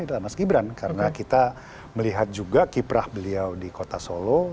itu adalah mas gibran karena kita melihat juga kiprah beliau di kota solo